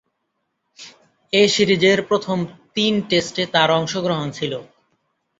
এ সিরিজের প্রথম তিন টেস্টে তার অংশগ্রহণ ছিল।